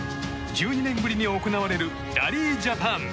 １２年ぶりに行われるラリー・ジャパン。